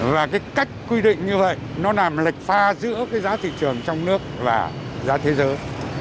và cái cách quy định như vậy nó làm lệch pha giữa cái giá thị trường trong nước và giá thế giới